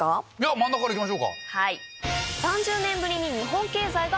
真ん中からいきましょうか。